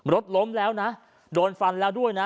รถล้มแล้วนะโดนฟันแล้วด้วยนะ